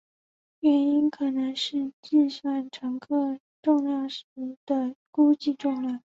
原因可能是计算乘客重量时用的是估计重量。